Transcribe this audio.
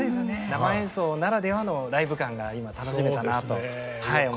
生演奏ならではのライブ感が今楽しめたなと思います。